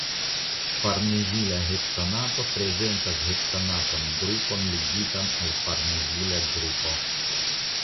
Farnezila heptanato prezentas heptanatan grupon ligitan al farnezila grupo.